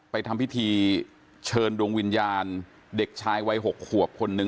ทำพิธีเชิญดวงวิญญาณเด็กชายวัย๖ขวบคนหนึ่ง